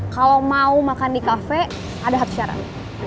kalau mau makan di kafe ada hak syarat